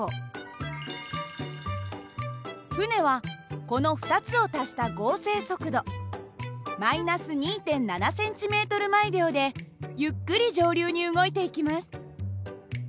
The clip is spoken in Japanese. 船はこの２つを足した合成速度−２．７ｃｍ／ｓでゆっくり上流に動いていきます。